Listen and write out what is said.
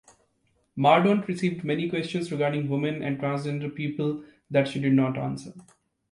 Mordaunt received many questions regarding women and transgender people that she did not answer.